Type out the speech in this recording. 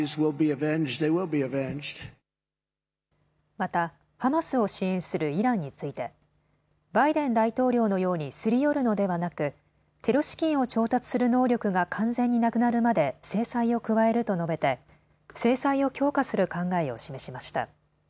またハマスを支援するイランについてバイデン大統領のようにすり寄るのではなくテロ資金を調達する能力が完全になくなるまで制裁を加えると述べて制裁を強化する考えを示しました。